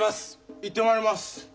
行ってまいります。